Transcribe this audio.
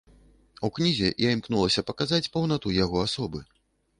У кнізе я імкнулася паказаць паўнату яго асобы.